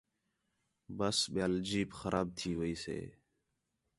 ٻس ٻِیال جیپ خراب تھی وَیسے